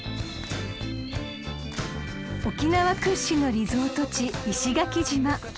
［沖縄屈指のリゾート地石垣島］